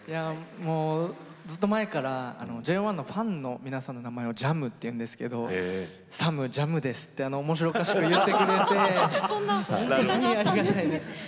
ずっと前からＪＯ１のファンの皆さんの名前をＪＡＭというんですがＳＡＭ、ＪＡＭですとおもしろおかしく言ってくれて。